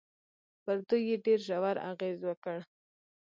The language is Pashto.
پر دوی يې ډېر ژور اغېز وکړ.